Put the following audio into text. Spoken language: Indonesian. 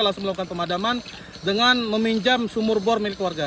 langsung melakukan pemadaman dengan meminjam sumur bor milik warga